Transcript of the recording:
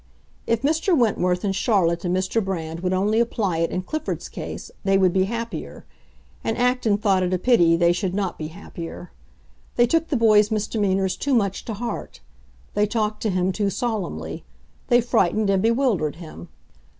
If Mr. Wentworth and Charlotte and Mr. Brand would only apply it in Clifford's case, they would be happier; and Acton thought it a pity they should not be happier. They took the boy's misdemeanors too much to heart; they talked to him too solemnly; they frightened and bewildered him.